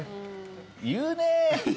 言うね。